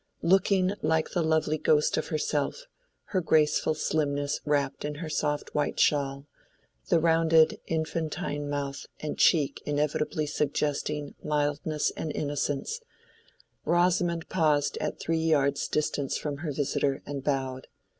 Looking like the lovely ghost of herself, her graceful slimness wrapped in her soft white shawl, the rounded infantine mouth and cheek inevitably suggesting mildness and innocence, Rosamond paused at three yards' distance from her visitor and bowed.